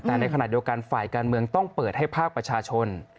แต่ในขณะเดียวกันฝ่ายการเมืองต้องเปิดให้ภาคประชาชน